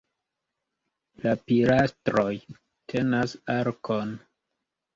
La pilastroj tenas arkon.